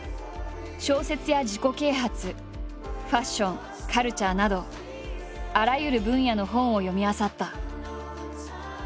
小説や自己啓発ファッションカルチャーなどあらゆる分野の本を読みあさった。